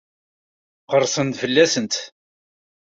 Qerrsen-d fell-asent?